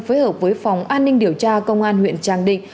phối hợp với phòng an ninh điều tra công an huyện tràng định